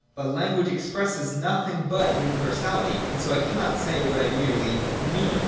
But language expresses nothing but universality ; and so I cannot say what I merely mean.